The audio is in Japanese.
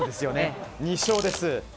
２勝です。